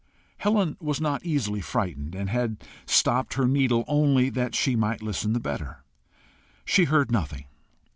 Helen was not easily frightened, and had stopped her needle only that she might listen the better. She heard nothing.